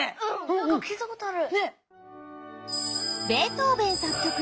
なんかきいたことある。